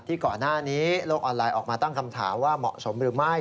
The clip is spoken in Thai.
ก่อนหน้านี้โลกออนไลน์ออกมาตั้งคำถามว่าเหมาะสมหรือไม่